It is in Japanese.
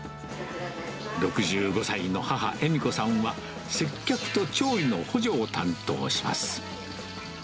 ６５歳の母、恵美子さんは、接客と調理の補助を担当します。